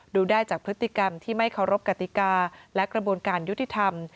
ดูได้จากพฤติกรรมที่ไม่เคารพกติกาและกระบวนการยุติธรรม